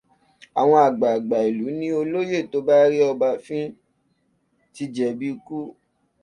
Àwọn àgbàgbà ìlú ní olóyè tó bá ń rí ọba fín ti jẹbi ikú.